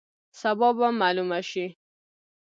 سبا به معلومه شي.